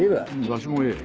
わしもええ。